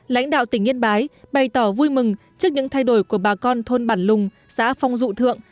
lãnh đạo tỉnh yên bái bày tỏ vui mừng trước những thay đổi của bà con thôn bản lùng xã phong dụ thượng